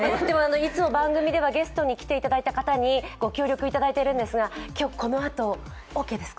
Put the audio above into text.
いつも番組ではゲストに来ていただいている方にご協力いただいているんですが、今日、このあとオーケーですか？